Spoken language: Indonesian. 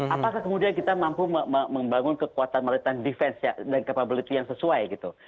apakah kemudian kita mampu membangun kekuatan maritan defense dan capability yang sesuai gitu